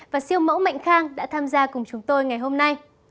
và siêu mẫu mạnh khang đã tham gia cùng chúng tôi ngày hôm nay